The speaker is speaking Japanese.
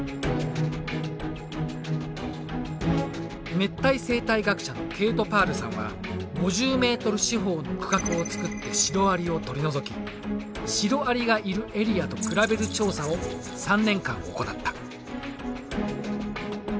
熱帯生態学者のケイト・パールさんは５０ｍ四方の区画を作ってシロアリを取り除きシロアリがいるエリアと比べる調査を３年間行った。